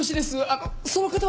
あのその方は今？